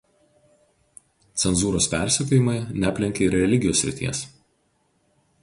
Cenzūros persekiojimai neaplenkė ir religijos srities.